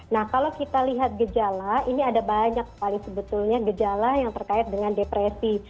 nah kalau kita lihat gejala ini ada banyak sekali sebetulnya gejala yang terkait dengan depresi